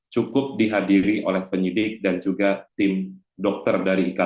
cukup dihadiri oleh penyidik dan juga tim dokter dari ikn